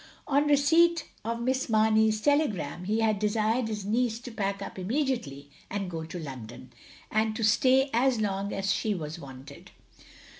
On receipt of Miss Mamey's telegram he had desired his neice to pack up inmiediately and go to London, and to stay as long as she was wanted.